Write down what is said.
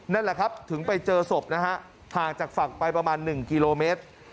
นั่นแหละครับถึงไปเจอศพนะฮะห่างจากฝั่งไปประมาณ๑กิโลเมตร